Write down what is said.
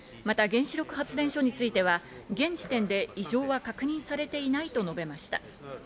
また、原子力発電所については現時点で異常は確認されていないと述べました。